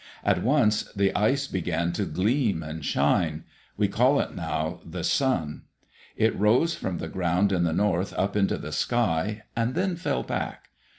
At once the ice began to gleam and shine. We call it now the sun. It rose from the ground in the north up into the sky and then fell back.